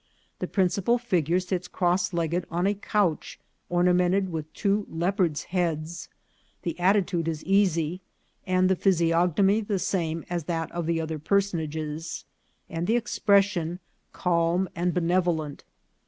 The principal figure sits cross legged on a couch ornamented with two leopards' heads ; the atti tude is easy, the physiognomy the same as that of the other personages, and the expression calm and benevo lent.